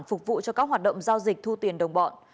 phục vụ cho các hoạt động giao dịch thu tiền đồng bọn